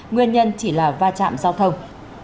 nguyên nhân chỉ là va chạm giao thông